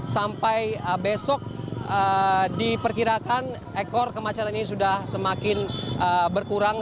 sampai besok diperkirakan ekor kemacetan ini sudah semakin berkurang